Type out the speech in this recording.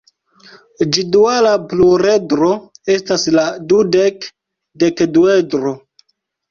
Ĝi duala pluredro estas la dudek-dekduedro.